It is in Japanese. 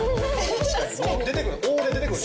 確かにもう出てくる！